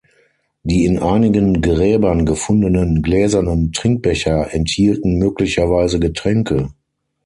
Die in einigen Gräbern gefundenen gläsernen Trinkbecher enthielten möglicherweise Getränke.